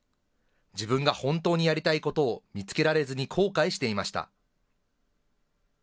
自分が本当にやりたいことを見つけられずに後悔していました。